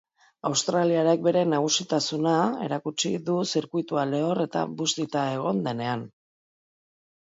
Australiarrak bere nagusitasuna erakutsi du zirkuitua lehor eta bustita egon denean.